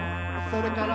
「それから」